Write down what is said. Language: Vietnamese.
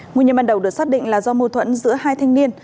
nguồn nhiệm ban đầu được xác định là do mâu thuẫn giữa hai thanh niên